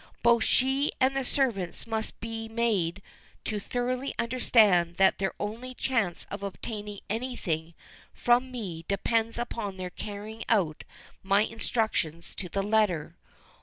Both she and the servants must be made to thoroughly understand that their only chance of obtaining anything from me depends upon their carrying out my instructions to the letter.